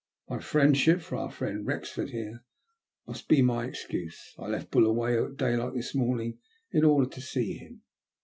My friendship for our friend Wrexford here must be my excuse. I left Buluwayo at daylight this morning in order to see him."